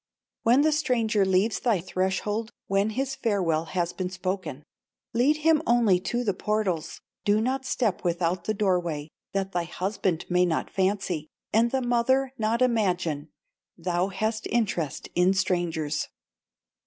When the stranger leaves thy threshold, When his farewell has been spoken, Lead him only to the portals, Do not step without the doorway, That thy husband may not fancy, And the mother not imagine, Thou hast interest in strangers.